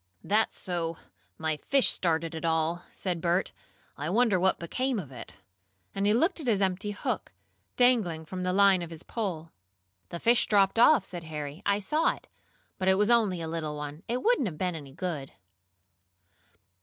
"That's so my fish started it all!" said Bert. "I wonder what became of it?" and he looked at his empty hook, dangling from the line of his pole. "The fish dropped off," said Harry. "I saw it. But it was only a little one. It wouldn't have been any good."